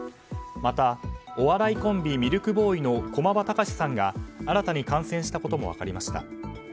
また、お笑いコンビミルクボーイの駒場孝さんが新たに感染したことも分かりました。